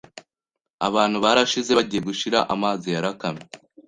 Abantu barashize, bagiye gushira, amazi yarakamye